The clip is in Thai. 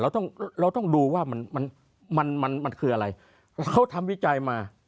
เราต้องเราต้องดูว่ามันมันคืออะไรเขาทำวิจัยมา